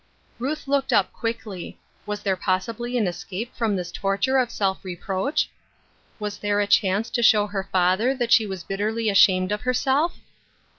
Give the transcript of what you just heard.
Ruth looked up quickly. Was there possibly an escape from this torture of self reproach ? Waa Seeking Help. H^ there a chance to show her father that she was bitterly ashamed of herself?